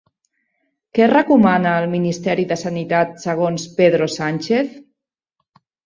Què recomana el ministeri de Sanitat segons Pedro Sánchez?